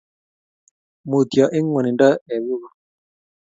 Mutyo eng ngwonindo ee kugo